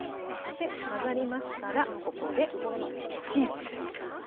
で混ざりましたらここでチーズです。